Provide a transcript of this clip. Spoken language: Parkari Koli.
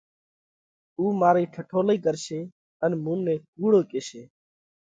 اُو مارئِي ٺٺولئِي ڪرشي ان مُون نئہ ڪُوڙو ڪيشي۔